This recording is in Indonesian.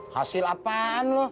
hasil apaan lu